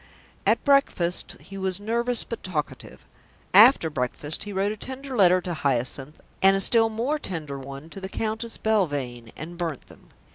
At breakfast he was nervous but talkative. After breakfast he wrote a tender letter to Hyacinth and a still more tender one to the Countess Belvane, and burnt them.